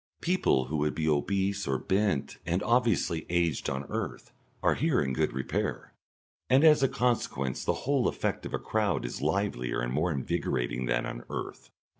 People who would be obese or bent and obviously aged on earth are here in good repair, and as a consequence the whole effect of a crowd is livelier and more invigorating than on earth.